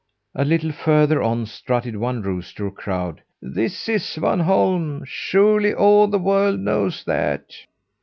A little further on strutted one rooster who crowed: "This is Swanholm, surely all the world knows that!"